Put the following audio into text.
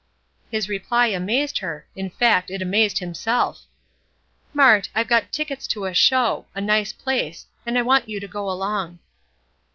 His reply amazed her; in fact, it amazed himself: "Mart, I've got tickets to a show, a nice place, and I want you to go along."